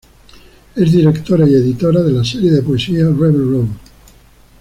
Es directora y editora de la serie de poesía Rebel Road.